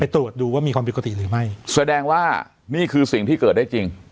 ตรวจดูว่ามีความผิดปกติหรือไม่แสดงว่านี่คือสิ่งที่เกิดได้จริง